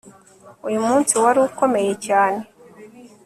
Uyu munsi wari ukomeye cyane